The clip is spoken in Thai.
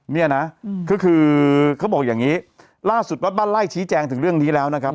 เนี่ยนะก็คือเขาบอกอย่างนี้ล่าสุดวัดบ้านไล่ชี้แจงถึงเรื่องนี้แล้วนะครับ